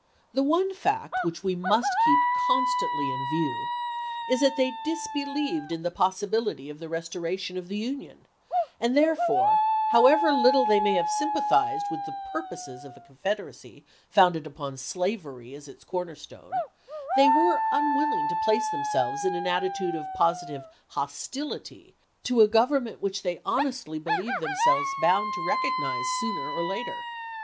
The one fact which we must keep constantly in view is that they disbelieved in the possibility of the restoration of the Union, and, therefore, however little they may have sympathized with the purposes of a Confed eracy founded upon slavery as its corner stone, they were unwilling to place themselves in an attitude of positive hostility to a Government which they honestly believed themselves bound to recognize sooner or later.